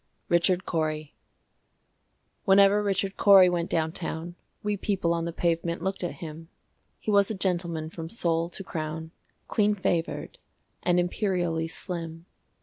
Richard Cory Whenever Richard Cory went down town, We people on the pavement looked at him: He was a gentleman from sole to crown, Clean favored, and imperially slim.